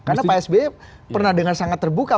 karena pak sbe pernah dengar sangat terbuka